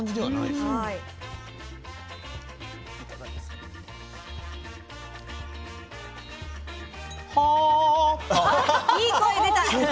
いい声出た。